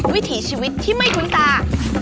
วิถีชีวิตที่ไม่คุ้นตา